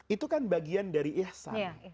itu kan bagian dari ihsan